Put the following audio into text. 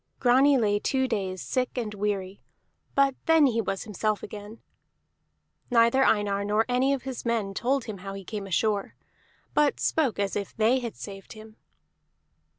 Grani lay two days sick and weary, but then he was himself again. Neither Einar nor any of his men told him how he came ashore, but spoke as if they had saved him.